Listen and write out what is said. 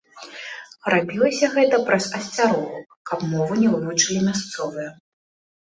Рабілася гэта праз асцярогу, каб мову не вывучылі мясцовыя.